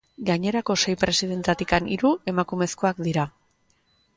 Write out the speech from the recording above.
Gainerako sei presidenteetatik hiru emakumezkoak dira.